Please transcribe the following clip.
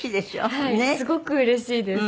はいすごくうれしいです。